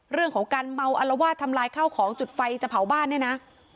เรื่องของการเมาอลวาดทำลายข้าวของจุดไฟจะเผาบ้านเนี่ยนะ